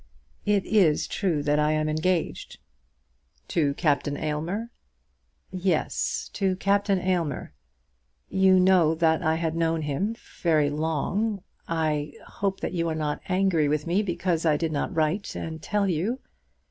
"It is true that I am engaged." "To Captain Aylmer?" "Yes; to Captain Aylmer. You know that I had known him very long. I hope that you are not angry with me because I did not write and tell you.